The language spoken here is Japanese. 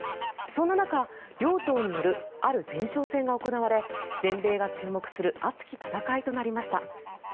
そんな中、両党によるある前哨戦が行われ全米が注目する熱き戦いとなりました。